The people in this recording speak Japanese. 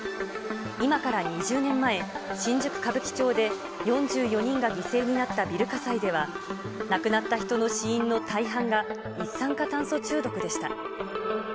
今から２０年前、新宿歌舞伎町で４４人が犠牲になったビル火災では、亡くなった人の死因の大半が一酸化炭素中毒でした。